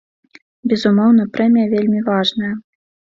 Безумоўна, прэмія вельмі важная.